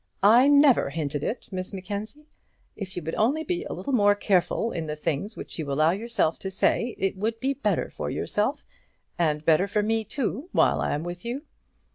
"I never hinted it, Miss Mackenzie. If you would only be a little more careful in the things which you allow yourself to say, it would be better for yourself; and better for me too, while I am with you."